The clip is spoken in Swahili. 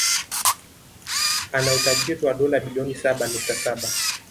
Ana utajiri wa dola bilioni saba nukta saba